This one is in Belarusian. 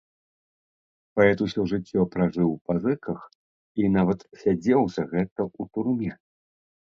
Паэт усё жыццё пражыў у пазыках і нават сядзеў за гэта ў турме.